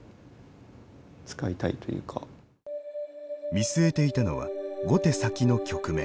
見据えていたのは５手先の局面。